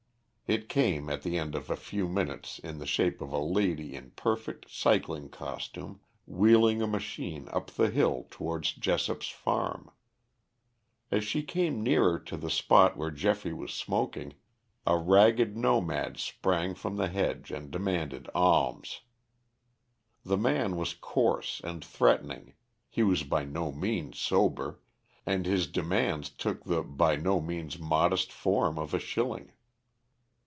It came at the end of a few minutes in the shape of a lady in perfect cycling costume, wheeling a machine up the hill towards Jessop's farm. As she came nearer to the spot where Geoffrey was smoking, a ragged nomad sprang from the hedge and demanded alms. The man was coarse and threatening, he was by no means sober, and his demands took the by no means modest form of a shilling.